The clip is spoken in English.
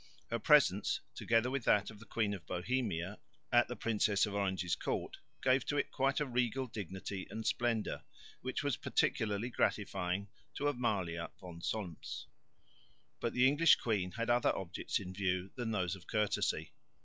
Her presence, together with that of the Queen of Bohemia, at the Princess of Orange's court gave to it quite a regal dignity and splendour, which was particularly gratifying to Amalia von Solms. But the English queen had other objects in view than those of courtesy.